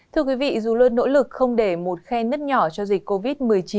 thưa quý vị dù luôn nỗ lực không để một khe nứt nhỏ cho dịch covid một mươi chín